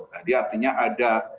jadi artinya ada